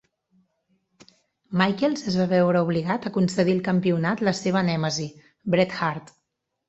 Michaels es va veure obligat a concedir el campionat la seva nèmesi, Bret Hart.